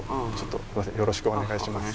よろしくお願いします。